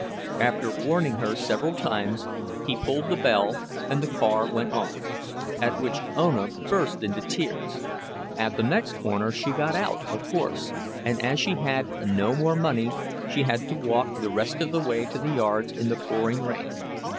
After warning her several times, he pulled the bell and the car went on—at which Ona burst into tears. At the next corner she got out, of course; and as she had no more money, she had to walk the rest of the way to the yards in the pouring rain.